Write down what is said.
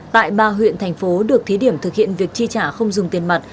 tại ba huyện thành phố được thí điểm thực hiện việc chi trả không dùng tiền mặt